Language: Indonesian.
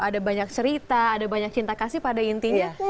ada banyak cerita ada banyak cinta kasih pada intinya